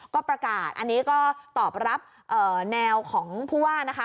ก็ประกาศอันนี้ก็ตอบรับแนวของผู้ว่านะคะ